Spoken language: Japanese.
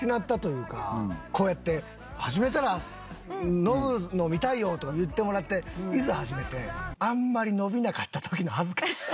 こうやって「始めたらノブの見たいよ」とか言ってもらっていざ始めてあんまり伸びなかった時の恥ずかしさ。